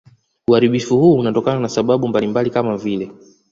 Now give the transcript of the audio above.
Uharibifu huu unatokana na sababu mbalimbali kama vile